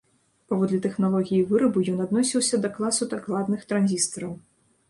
Паводле тэхналогіі вырабу ён адносіўся да класу дакладных транзістараў.